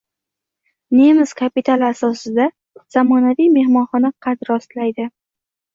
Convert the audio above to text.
Nemis kapitali asosida zamonaviy mehmonxona qad rostlaydi